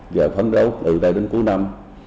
giờ phấn đấu từ đây đến cuối năm